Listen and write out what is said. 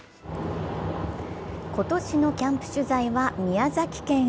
今年のキャンプ取材は宮崎県へ。